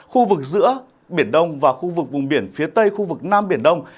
khu vực giữa biển đông và khu vực vùng biển phía tây khu vực nam biển đông